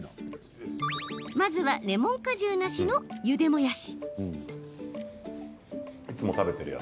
まずはレモン果汁なしのゆでもやし。